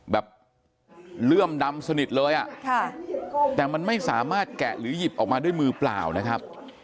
แบบเลื่อมดำสนิทเลยอ่ะค่ะแต่มันไม่สามารถแกะหรือหยิบออกมาด้วยมือเปล่านะครับ